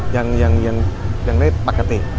ยังได้ปกติ